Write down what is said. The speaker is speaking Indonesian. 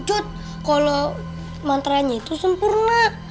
jut kalau mantra nya itu sempurna